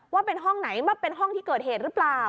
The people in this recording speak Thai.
ว่าเป็นห้องไหนเป็นห้องที่เกิดเหตุหรือเปล่า